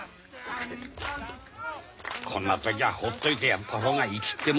ケッこんな時はほっといてやった方が粋ってもんだよ。